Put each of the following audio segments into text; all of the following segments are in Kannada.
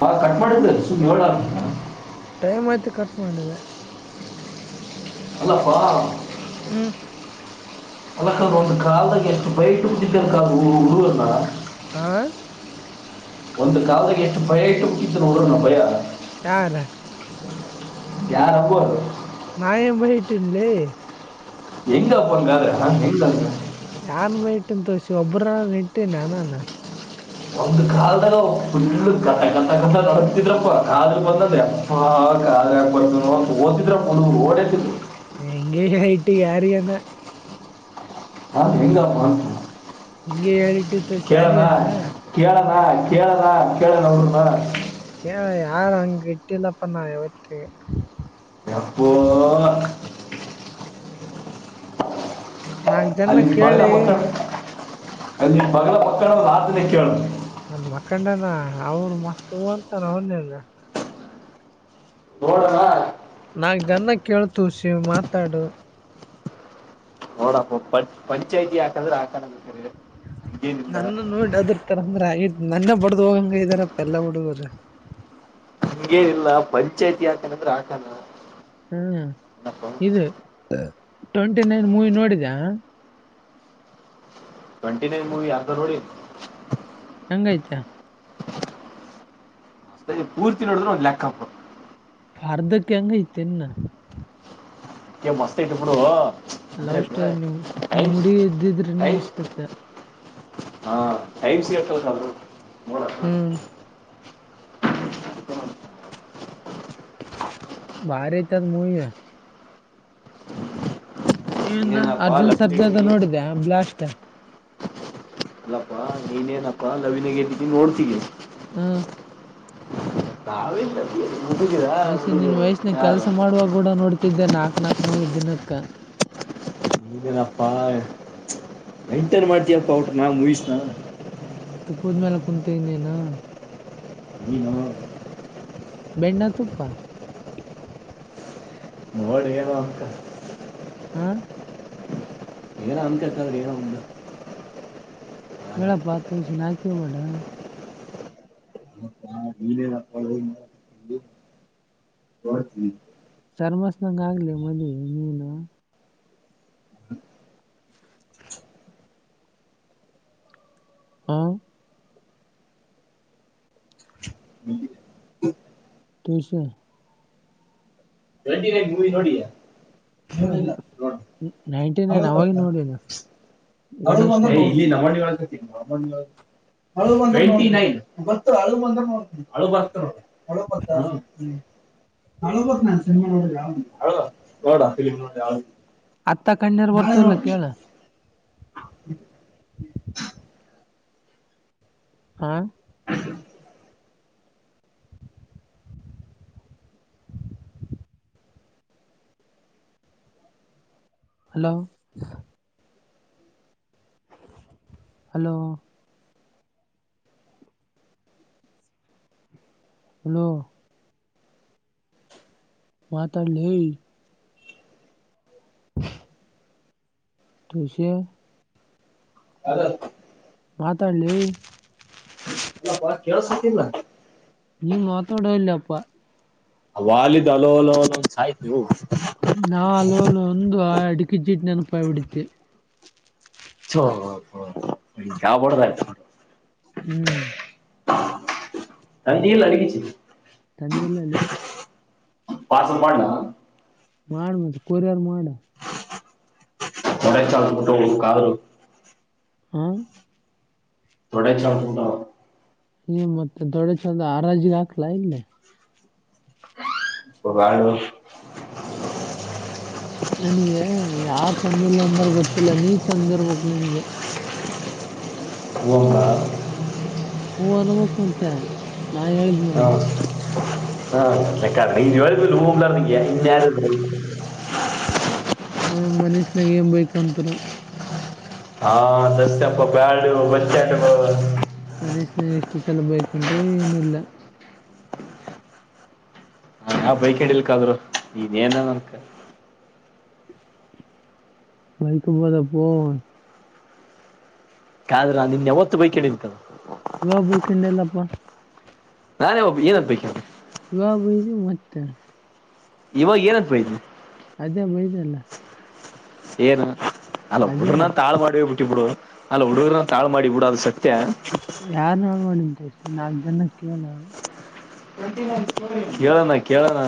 ಹಾ ಕಟ್ ಮಾಡಿದ್ದ ಸುಮ್ಮ್ ಏಳು ಆ ಟೈಮ್ ಆಐ್ತು ಕಟ್ ಮಾಡಿದೆ ಅಲ್ಲಪ್ಪಾ ಹ್ಮ ಅಲ್ಲಕ್ಕ ಒಂದು ಕಲ್ದಾಗ ಎಷ್ಟು ಬೈಟ್ುಿದ್ದನ ಕ ಹುಡುಲ್ಲ ಆ ಒಂದು ಕಾಲದಲ್ಲಿಕ್ಕೆ ಎಟ್ಟ ಪಯಟ್ಟು ಟ್ಟತ್ತು ನೋಡಣ ಪಯ ಯಾವಲ್ಲ ಯಾರ ಹಬ್ಬ ನಾಯ ಬೈಟನ್ಲ ಎಂಗಪ್ಪಂಗಾರೆೆ ಹ ಹೆಂಗ ಯಾರ ಬೈಟ್ ತೋಸಿ ಒಬ್ರ ನಿಟ್ಟನೆ ಅನಾನ ಒಂದು ಕಲ್ದಾಗ ಫುಲ್ ಗಟ ಗಟ್ಟ ಗ ಅತಿದ್ರಪ್ಪ ಕಾಲು ಬಂದದ ಅ ಓದಿದ್ರ ಓಡೇತಿದ್ರು ಹ ಇಂಗಷಯಟ್ಟು ಕಾರಿಯನ ಹಾ ಹೆಂಗ ಹಿಂಗೆ ಹೇಳಿ ಕೇಳನಾ ಕೇಳನಾ ಕೇಳೇಳನಾ ಕೇಳಣ ಅವಊರುನಾ ಕೇಳ ಯಾರ ಹಂಗ ಇಟ್ಟಿಲ್ಲಪ್ಪ ನಾ ಯಾವತ್ತ ಅಪ್ಪ ನಾಕ್ ಜನ ಅಲ್ಲಿ ಬಗಲ ಕೇಳಿ ಪಕ್ಕಣ ಅಲ್ಲಿ ಬಗಲ ಪಕ್ಕಡ ಒಂದು ಆ ದಿನಕ್ಕೆಳ ಅದ್ ಮಖಂಡನ ಅವರು ಮಸ್ತ್ ಅಂತಾರ ಅವನೇಲ್ಲ ನೋಡವಾ ನಾ ಜನ ಕೇಳ್ತ ಶ ಮಾತಾಡು ಹೋಡಪ್ಪ ಪ ಪಂಚಾಯ್ತಿ ಹಾಕಂದ್ರೆ ಹಾಕಣ ಬೇಕ ನನ್ನ ನೋಡಿ ಅದರ್ತರಂದ್ರೆ ಆಯ ನನ್ನೆ ಬಡ್ದ್ ಹೋಗಂಗ ಇದ್ದಾರಪ್ಪ ಎಲ್ಲಾ ಹುಡುಗ್ರ ಹಂಗೇನಿಲ್ಲಾ ಪಂಚಾಯ್ತಿ ಹಾಕಾನಂದ್ರೆ ಹಾಕನ ಹ್ಮ ಇದು ಟ್ವೆಂಟಿ ನೈನ್ ಮೂವಿ ನೋಡಿದ್ಯಾಣ್ಣ ಟ್ವೆಂಟಿ ನೈನ್ ಮೂವಿ ಅರ್ಧ ನೋಡಿವ್ ಹೆಂಗೈತ ಅ ಪೂರ್ತಿ ನೋಡಿದ್ರೆ ಒಂದ್ ಲೆಕ್ಕಪ್ ಅರ್ಧಕ್ಕೆ ಹೆಂಗೈಐತೆೆನ್ನ ಮಸ್ತ್ ಐಟ್ ಇಪ್ಪಡು ಲವ್ ಅ್ರ ಸ್ಟೋರಿ ನಿಮ್ ನಿಮ್ ಟೈಮ್ಸ್ ಹುಡಿ ಇದ್ದಿದ್ರ ಇನ್ನ ಟೈಮ್ಸ್ ಮಸ್ತ್ ಇತ್ತ ಹಾ ಟೈಮ್ ಸಿ ಹತಲ್ಾದ ಹ್ಮ್ [unintelligible] ಭಾರತದ ಮೂವ ಈಂದು ನೀನೇನಪ್ಪ ಅರ್ಜುನ್ ಸರ್ಜದ ಲವಿನಗೆದಿಗೆ ನೋಡಿದ್ಯಾಣ್ಣ ಬ್ಲಾಸ್ಟ್ ಅಲ್ಲಪ್ಪಾ ನೀನೇನಪ್ಪಾ ನವೀನಿಗೆ [unintelligible] ಹಾ [unintelligible] ವಯಸಿನ್ ನಿನ್ ಹುಡುಗರು ವಯಸ್ಸನ್ಯಾಗ್ ಯಾರು ಕೆಲ್ಸ ಮಾಡುವಾಗ ಕೂಡ ನೋಡ್ತಿದ್ದೆ ನಾಕ್ ನಾಕ್ ಮೂವಿ ದಿನಕ್ಕ ನಿಮ್ದೇನಪ್ಪ ಎಂಟರ್ ಮಾಡ್ತಯಪ್ಪ ಒಟ್ಟ ನಾ ಮೂವೀಸ್ ನಾ ತುಪ್ಪದ ಮೇಲೆ ಕುಂತನೇನಾ [unintelligible] ಬೆಣ್ಣ ತುಪ್ಪ ಮೋಲ್ಡ್ಗೇನು ಹಾಕ್ತಾರ್ ಹಾ ಏನೋ ಅಂತಿರ್ತಾರೆ ಏನೋ ಒಂದು [unintelligible] [unintelligible] ಚರ್ಮಸ್ನಂಗ ಆಗ್ಲಿ ಮದ್ವಿ ಇನ್ನೇನು ಹ್ಮ್ ತಿಳ್ಸಾ ಟ್ವೆಂಟಿನೈನ್ ಮೂವಿ ನೋಡಿಯಾ ನೋಡಿಲ್ಲ ನೋಡ್ ನೈಂಟಿ ನೈನ್ ಅಳು ಅವಾಗ ಬತ್ತಾ ನೋಡಿನ ಗಣೇಶಿಂದ [unintelligible] [unintelligible] [unintelligible] ಅತ್ತ ಕಣ್ಣೀರು ನಾಳೆ ಬರ್ತವಲ್ಲ ನೋಡ್ತೀನಿ ಕೇಳ [inaudible] ಹಾ [inaudible] ಹಲೋ ಹಲೋ ಹಲೋ ಮಾತಾಡ್ ಲೇ ತುಳ್ಸಿ ಆಧರ್ ಮಾತಾಡ್ ಲೇ ಕೇಳ್ಸ್ತತಿಲ್ಲ ನೀವ್ ಮಾತಾಡೇ ಇಲ್ಯಪ್ಪ ಅವಾಲಿದ್ ಹಲೋ ಹಲೋ ಅಂದ್ ಸಾಯ್ತಿಯೋ ನಾ ಹಲೋ ಹಲೋ ಅಂದ್ ಆ ಅಡಿಕೆ ಜೀಟ್ ನೆನಪಾಯ್ ಬಿಡಿದ್ದೆ. [unintelligible] ಹ್ಮ್ ತಂದಿಯಲ್ಲ [unintelligible] ತಂದಿಲ್ಲಲೇ ಪಾರ್ಸೆಲ್ ಮಾಡ್ಲಾ ಮಾಡ್ ಮತ್ ಕೊರಿಯರ್ ಮಾಡ್ [unintelligible] ಹ್ಮ್ [unintelligible] ಹ್ಮ್ ಮತ್ತೆ ದೊಡ್ಡ ಚಂದ ಹಾರಾಜಿಗೆ ಹಾಕ್ಲಾ ಇಲ್ಲಿ ಪಗಾಳು ನನಗೆ ಯಾರ್ ಚಂದ ಇಲ್ಲ ಅಂದ್ರ ಗೊತ್ತಿಲ್ಲ ನೀ ಚಂದ ಇರ್ಬೇಕ್ ನನಗೆ [unintelligible] ಹೂ ಹ್ಮ್ ಅರಮಕ್ ಮಂತೆ ನಾ ಹಾ ಹೇಳಿದ್ಮೇಲೆ ಹಾ ಇವ ಲೂಲ್ಲಿಯ ಇನ್ ನ ಮನಸನಾಗ ಏನ್ ಬೇಕಂತರು ಹಾ ದಸಪ್ಪ ಬಳ [unintelligible] ಮನಷನ ಎಷ್ಟು ಸಲ ಬೈಕೊಂಡ್ರು ಏನಿಲ್ಲ ನಾ ಯಾವ ಬೈಕ್ ಹಡಿಲಿಕ್ಕಾದ್ರು ನೀನ್ ಏನನ ನನ್ಕ ಮೈಕಬದಪ್ಪ ಕ ನಿನ್ ಯಾವತ್ತು ಬೈ ಕೇಳಿರ್ತದ ಯ ಬಯಕೊಂಡಲ್ಲಪ್ಪ ನಾನೇ ಒಬ್ಬ ಏನ್ ಆಗಬೇಕಿತ್ತು ಯಾವಗ ಬಯದು ಮತ್ತೆ ಇವಾಗ ಏನತ್ [unintelligible] ಅದೇ ಮೈದೆಲ್ಲ ಏನು ಅಲ್ಲ ಹುಡುಗ್ರನ ತಾಳು ಮಾಡೇ ಬಿಟ್ಟಿ ಬಿಡು ಅಲ್ಲ ಹುಡುಗ್ರನನ್ ತಾಳು ಮಾಡಿ ಬಿಡು ಅದ್ ಸತ್ಯ ಯಾರ್ ಹಾಳ್ ಮಾಡಂತಸೇ ನಾಲ್ಕ ಜನ ಕೇಳ [unintelligible] ಕೇಳೋಣ ಕೇಳೋಣ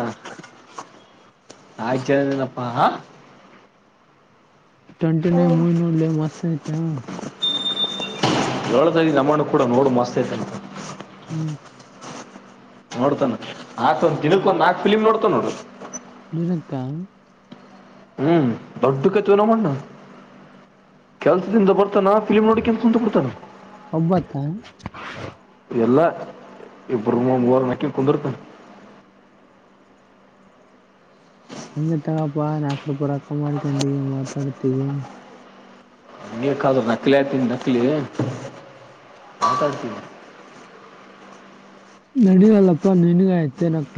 ಆಯ್ಚೇನಪ್ಪಾ ಹ ಟ್ವೆಂಟಿ ನೈನ್ ಮೂವಿ ನೋಡ್ಲಿ ಮಸ್ತ್ ಐತೆ ಹಏಳ್ತ ಇದ ನಮ್ಮಣ್ಣ ಕೂಡ ನೋಡು ಮಸ್ತ್ ಐತಂತ ಹ್ಮ್ ನೋಡ್ತಾನ ಆಕ್ ಒಂದ್ ದಿನಕ್ ಒಂದ ನಾಕ್ ಫಿಲಿಮ್ ನೋಡ್ತಾನ ನೋಡ ದಿನಕ ಹ್ಮ್ ದೊಡ್ಡ ಕತವಿನ ಮಾಡಣ್ಣ ಕೆಲ್ಸದಿಂದ ಬರ್ ಫಿಲ್ಮ್ ನೋಡಕಂತ ಕುಂತ ಕೊಡ್ತಾನ ಒಬ್ಬತ್ತ ಎಲ್ಲ ಇಬ್ಮರ ಮೂರ ನಕ್ಕಿ ಕುಂದರ್ತ ಹಂ ತಗಪ್ಪಾ ನಾಲ್ಕ ರೂಪಾಯ ರೊಕ್ಕ ಮಾಡ್ಕೊಂಡ ಮಾತಾಡ್ತಗೆ ಹ ಕದು ನಕ್ಲ ಆತ ನಕ್ಲಿ ಮಾತಾಡ್ತನ ನಡವಲ್ಲಪ್ಪಾ ನನ್ಗಯ್ತೆ ನಕ್ಳ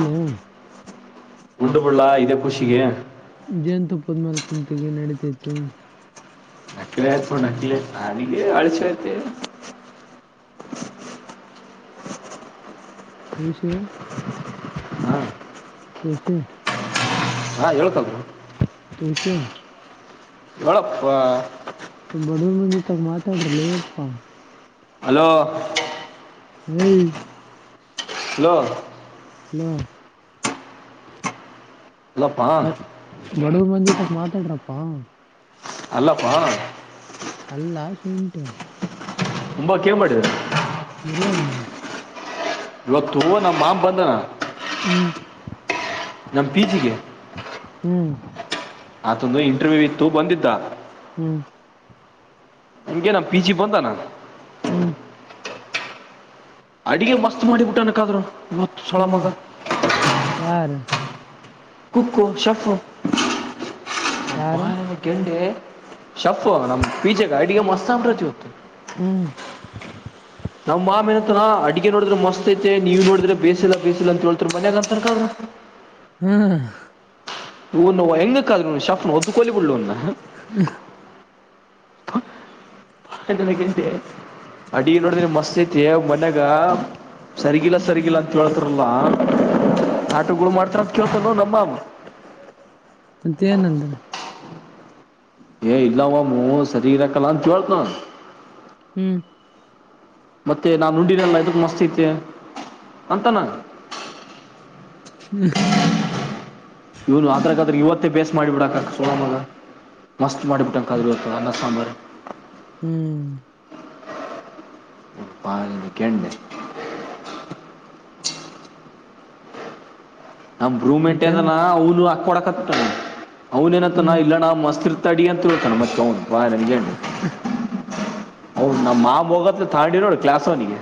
ಉಂಡುಬುಳ್ಳ ಇದೇ ಖುಷಿಗೆ ಜಯಂತು ಪದ್ಮಾಲ್ಕಂತಿಗೆ ನಡತಿತ್ತು ನಕ್ಲಿ ಆಯ್ತ ನಕ್ಲಿ ಆಯ್ತ ನನಿಗೆ ಅಳ್ಸಯ್ತೆ ಹಾ [unintelligible] ಹಾ ಹೇಳ್ಕದು ತ [unintelligible] ಎವಳೋಪ್ಪ ಬಡವರು ಮಂದಿ ತ ಮಾತಾಡರಲಿ ಪಪ್ಪಾ ಹಲೋ ಹ್ಮ ಹಲೋ ಹಲೋ ಅಲ್ಲಪ್ಪ ಬಡ ತ ಮಾತಾಡ್ರಪ್ಪ ಅಲ್ಲಪ ಅಲ್ಲ ಸುಂಟ ತುಂಬಾ ಕೇರ್ ಮಾಡಿದರೆ ಬರಿ ಹಣ್ಣ ಇವತ್ತು ಹ ನಮ್ಮ ಮಾಮ ಬಂದನ ಹ್ಮ್ ನಮ ಪಿಜಿಗೆ ಹ್ಮ್ ಆತಂದು ಇಂಟರ್ವ್ಯೂ ಇತ್ತು ಬಂದಿದ್ದ ಹ್ಮ್ ನಿಮಗೆನಾ ಪಿಚಿ ಬಂದಾನ ಹ್ಮ್ ಅಡಿಗಿ ಮಸ್ತ್ ಮಾಡಿಬಿಟ್ಟನಕ್ಕಾದ್ರು ಹುಚ್ಚ ಸುಳೆ ಹ್ಮ್ ಮಗ ಯಾರು ಕುಕ್ಕು ಶಫು ಯಾರು ಬಾಯಗನ ಗೆಂಡೆ ಶಫು ನಮ್ ಪೀಜಾಗ ಅಡಗಿ ಮತ್ ಅಂಬ್ರತಿ ಇತ್ತು ಹ್ಮ್ ನಮ್ ಮಾಮನಂತ್ನಾ ಅಡ್ಗೆ ನೋಡ್ರೆ ಮಸ್ತ್ ಐತೆ ನೀವು ನೋಡಿದ್ರೆ ಬೇಸಿಲ್ಲಾ ಬೇಸಿಲ್ಲ ಅಂತೇಳ ತಮನ ನಂತರ್ಕಾರ ಹಾ ಹ ಹೆಂಗ ಕ ಶಫ್ ನ ಒದು ಕೊಲಿ ಬಿಡ್ನ್ ಹ್ಮ ಟೆ ಅಡಿಗಿ ನೋಡಿದೆ ಮಸ್ತ್ ಐತಿ ಮನ್ಯಾಗ ಸರಿಗಿಲ್ಲ ಸರಿಗಿಲ್ಲ ಅಂತ ಕೇಳ್ತರಲ್ಲ ಆಟಗಳು ಮಾಡ್ತಾರ ಅಂತ ಕೇಳ್ತಾರ ನಮ್ಮ ಮತ್ತೆೇನಂದ್ರ ಏ ಇಲ್ಲವಮ್ಮ ಸರಿ ಇರಾಕಲ್ಲ ಅಂತ ಕೇಳ್ತ್ ನಾವ ಹ್ಮ್ ಮತ್ತೆ ನಾ ನುಂಡಿನೆಲ್ಲ ಇದಕ್ ಮಸ್ತ್ ತೆ ಅಂತಾನ ಹ್ಮ ಇವನು ಅದ್ರಕ್ಕಾದ್ರೆ ಇವತ್ತೇ ಬೇಸ್ ಮಾಡಿಬಿಡಾಕ್ಕ ಸೋಳಮಗ ಮಸ್ತ್ ಮಾಡಬಟ್ಟಂ ಕದರಬೇಕು ಅನ್ನ ಸಾಂಬಾರು ಹ್ಮ್ ಪಾನಿನ ಕೆ ಎಣ್ಣೆ [inaudible] ನಮ್ಮ್ ಭ್ರೂಮೆಂಟ್ ಮತ್ತೆ ಅದನ ಹೆಂಗ ಅವನು ಹಾಕ್ಕೊಡಕತ್ತ ಅವನೇನತ್ತ ನಾ ಹ್ಮ್ ಇಲ್ಲಣಾ ಮಸ್ತಿರತದ ಅಡಗಿ ಅಂತಳ್ತಣ ಮತ್ತ ಅವ್ನ ಬಾಯಿಗೆ ಗಿಂಡಿ ಹೌದ ನಮ್ ಮಾಮ ಹೋಗತ್ ಥಗೂಂಡಿವ ನೋಡ ಕ್ಲಾಸ್ ಅವನಿಗ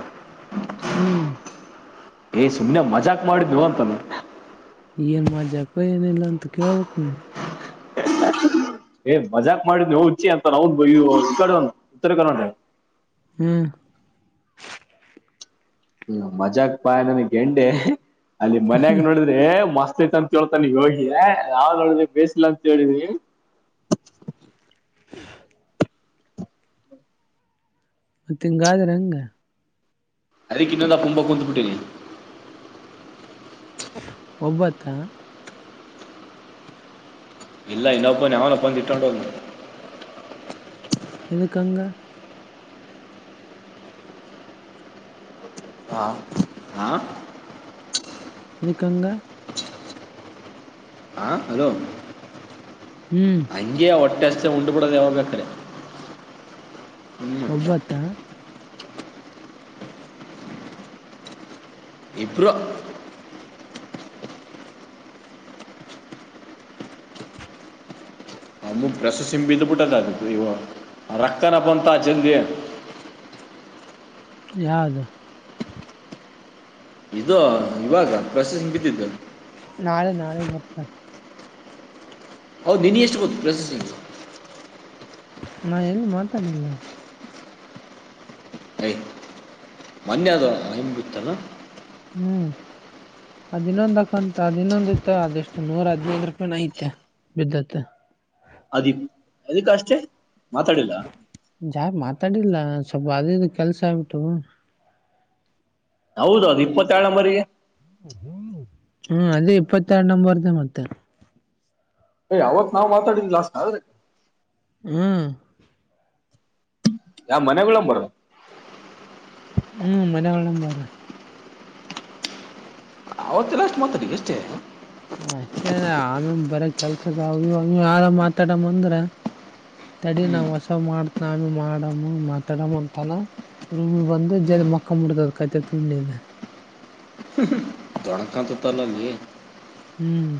ಹ್ಮ್ ಏಯ್ ಸುಮ್ನೆ ಮಜಾಕ್ ಮಾಡಿನೂ ಅಂತಾನ ಏನ್ ಮಜಾಕೋ ಏನಿಲ್ಲ ಅಂತ ಕೇಳ್ಬೇಕ್ ನೀ ಏ ಮಜಾಕ್ ಮಾಡಿದನೂ ಹೋಚ್ಚಿ ಅಂತನ ಅವನ ಈಕಡೆವನ ಉತ್ತರ ಕರ್ನಾಟಕ ಹ್ಮ್ ಹ್ಮ ಮಜಾಕ್ ಪಾ ನನ್ ಗೆಂಡೆ ಅಲ್ಲಿ ಮನ್ಯಾಗ ನೋಡಿದ್ರೆ ಮಸ್ತ್ ತ್ ಅಂತ ಕೇಳ್ತಾನ ಯೋಗಿ ನಾವ ನೋಡಿದಿ ಬೇಸಿಲ್ಲ ಅಂತ ಹೇಳಿನಿ ಹ ಮತ್ತಿಂಗಾದರಂಗ ಅದಕ್ಕೆನ್ನದ ತುಂಬಾ ಕೂತ್ ಬಿಟ್ಟನೆ ಒಬ್ಬತ್ತ ಇಲ್ಲ ಇನ್ನವೊಬ್ಬ ನ್ಯಾವನ ಬಂದ ತಿಟ್ಟೊಂಡ ಎದಕಂಗ ಹಾ ಹ ಏದಕಂಗ ಹ ಹಲೋ ಹ್ಮ್ ಅಂಗೆ ಸ್ ಉಂಡು ಬಿಡೋದ ಯಾವ ಬೇಕರೇ ಹ್ಮ್ ಒಬ್ಬತ್ತ [unintelligible] ಇಬ್ಬರು ಅಂದು ಪ್ರೆಸ್ ಸಿಂಬಿದ್ದು ಬಿಟ್ಟದದ ಇವ ರಕ್ತಾನಪ್ಪ ಅಂತ ಚಂದಿ [unintelligible] ಯಾವದು ಇರೋ ಇವಾಗ ಪ್ರೊಸೆಸಿಂಗ್ ಬಿದ್ದಿದ್ದ ನಾಳೆ [unintelligible] ಹೌದು ನೀನು ಎಷ್ಟು ಗೊತ್ತು ಪ್ರೊಸೆಸಿಂಗು ನಾ ಎಲ್ಲಿ ಮಾತಾಡಿಲ್ಲ ಯ ಮನ್ೆ ಅದ ನ ಹೆನ್ ಬಿತ್ತಾನ ಹ್ಮ್ ಹದಿನೊಂದು ಅಕಂಟ ಹದಿನೊಂದತ್ತು ಅದೆಷ್ಟು ನೂರ ಹ ರೂಪಾಯಿ ನಐತೆ ಬಿದ್ದತ್ತ ಅದ ಎದು ಕ ಅಷ್ಟ ಜಾ ಮಾತಾಡಿಲ್ಲ ಸ್ಪ ಅದೇದು ಕೆಲಸ ಆ ಬಿಟ್ಟ ಹೌದೌದು ಇಪ್ಪತ್ತೆರ ಮಗೆ ಹ್ಮ್ ಅದು ಇಪ್ಪತ್ತ ಆರ ನಂಬರ್್ದ ಮತ್ತೆ ಅಯ ಅವಾಗ ನಾವ್ ಮಾತಾಡಿದ ಲಾಸ್ಟ್ ಹ್ಮ್ ಯಾವ ಮನೆಗಳಳ್ಳ ಬರದ ಹ್ಮ್ ಮನೆಾವಲ್ಲ ಬಾರ ಅವತ್ತಲ್ಲ ಅಷ್ಟು ಮಾತಡಿ ಎಷ್ಟೇ ಅಷ್ಟೇ ಆಮೇ ಬರ ಕೆಲ್ಸಕ್ಕ ಇವಾಗ ಯಾರ ಮಾತಾಡ ಬಂದ್ರ ತಡಿ ಹ್ಮ್ ನಾವ್ ಹೊಸ ಮಾಡ್ತ್ ನಮಿ ಮಾಡಮ್ಮ ಮಾತಾಡಮ ಅಂತನ ರಮ ಬಂದ ಜ ಮಕ್ಕ ಮುಡತದ ಕೈತೆ ತುಂಡಿಿದೆ ಜಣಕಂತ ತಲ್ಲ ನೀ ಹ್ಮ್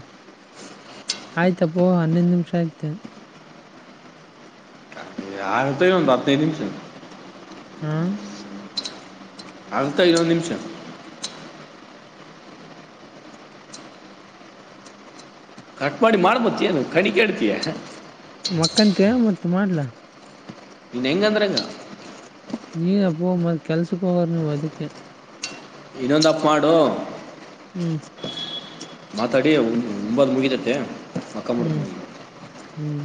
ಆಯ್ತಪ್ಪೋ ಹನ್ನೊಂದು್ ನಿಮಿಷ ಆಯ್ತೆ ಯಾರತ್ತನ ಒಂದು ಹತ್ತಿನೈದು ನಿಮಿಷ ಹ್ಮ ಅಂತ ಐವೊಂದು ನಿಮಿಷ ಕಟ್ ಮಾಡಿ ಮಾಡ್ಬತ್ತಿಯನು ಕಡಿಕಡ್ತಯಾ ಮಕ್ಕಂತ ಮತ್ತ ಮಾಡ್ಲಾ ಇನ್ನ ಎಂಗ ಅಂದ್ರಂಗ ನೀಪ್ಪಗಬ ಕೆಲ್ಸಕ್ಕೆ ಹೋಗರ ನೀ ವದಕ ಇನ್ನೊಂದಪ್ಪ ಮಾಡು ಹ್ಮ್ ಮಾತಾಡಿ ಮುಂಬಾದ ಮುಗಿತತೆ ಹ್ಮ್ ಹ್ಮ್